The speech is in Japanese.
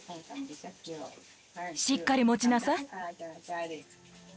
しっかり持ちなさい。